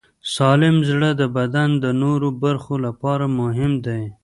سالم زړه د بدن د نورو برخو لپاره مهم دی.